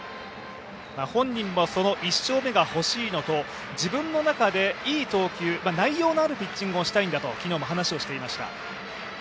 本人はその１勝目が欲しいのと自分の中でいい投球、内容のあるピッチングをしたいんだと昨日も話をしていました。